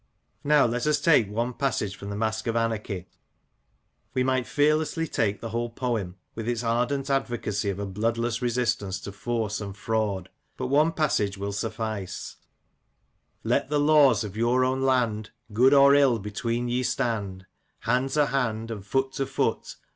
Now let us take one passage from The Mask of Anarchy. We might fearlessly take the whole poem, with its ardent advocacy of a bloodless resistance to force and fraud ; but one passage will suffice :—Let the laws of your own land, Good or ill, between ye stand Hand to hand, and foot to foot, A.